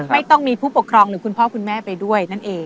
ไม่ต้องมีผู้ปกครองหรือคุณพ่อคุณแม่ไปด้วยนั่นเอง